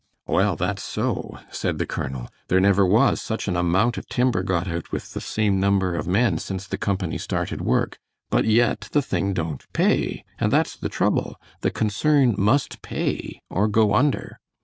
"Well, that's so," said the colonel; "there never was such an amount of timber got out with the same number of men since the company started work, but yet the thing don't pay, and that's the trouble. The concern must pay or go under."